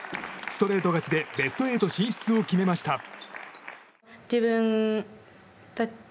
ストレート勝ちでベスト８進出を決めました。